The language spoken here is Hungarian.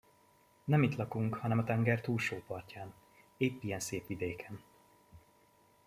Nem itt lakunk, hanem a tenger túlsó partján, épp ilyen szép vidéken.